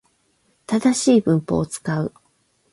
正しい文法を使う